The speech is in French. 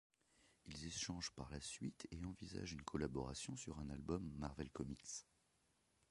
Ils échangent par la suite et envisagent une collaboration sur un album Marvel comic.